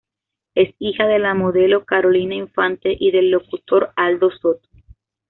Es hija de la modelo Carolina Infante y del locutor Aldo Soto.